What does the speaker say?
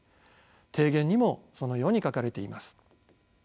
提言にもそのように書かれています。